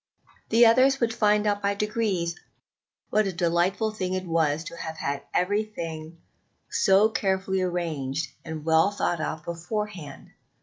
The others would find out by degrees what a delightful thing it was to have had everything so carefully arranged and well thought out beforehand.